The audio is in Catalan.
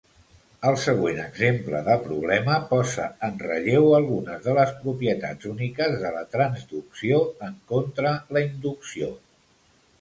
El següent exemple de problema posa en relleu algunes de les propietats úniques de la transducció en contra la inducció.